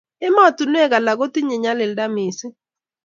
emotinwek alak kotinye nyalilda missing